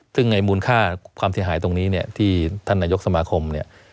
ซึ่งในมูลค่าความเสียหายตรงนี้เนี่ยที่ท่านนายกสมาคมเนี่ย